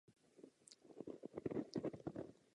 Ambiciózní charakter této dohody bychom měli rozhodně vítat.